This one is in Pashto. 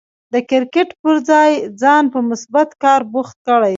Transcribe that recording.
د کرکټ پر ځای ځان په مثبت کار بوخت کړئ.